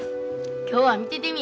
今日は見ててみ。